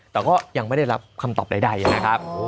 แต่ก็ยังไม่ได้รับคำตอบใดนะครับ